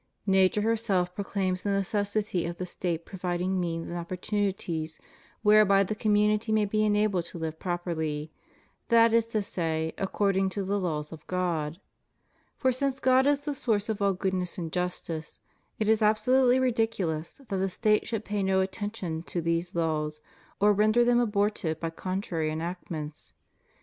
Nature herself proclaims the necessity of the State provid ing means and opportunities whereby the community may be enabled to live properly, that is to say, according to the laws of God. For since God is the source of all goodness and justice, it is absolutely ridiculous that the State should pay no attention to these laws or render them abortive by contrary enactments.